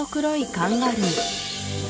カンガルー